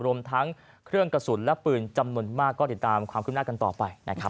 รวมทั้งเครื่องกระสุนและปืนจำนวนมากก็ติดตามความขึ้นหน้ากันต่อไปนะครับ